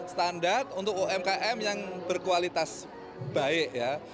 standar untuk umkm yang berkualitas baik ya